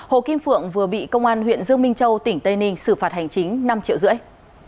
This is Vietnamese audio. hồ kim phượng vừa bị công an huyện dương minh châu tỉnh tây ninh xử phạt hành chính năm triệu rưỡi